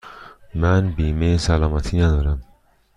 من بیمه سلامتی ندارم.